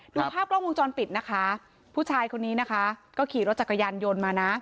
ดูภาพกล้องวงจรปิดนะคะผู้ชายคนนี้นะคะก็ขี่รถจักรยานยนต์มานะ